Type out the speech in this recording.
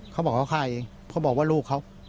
เขาบอกว่าเขาฆ่าเองเขาบอกว่าลูกเขา